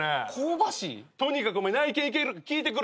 とにかく内見行けるか聞いてくれや。